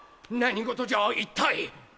何事じゃいったい！？